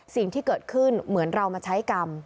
สิ่งที่เกิดขึ้นเหมือนเรามาใช้กรรม